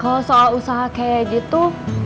kalau soal usaha kayak gitu